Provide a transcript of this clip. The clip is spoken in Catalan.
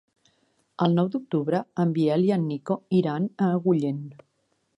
El nou d'octubre en Biel i en Nico iran a Agullent.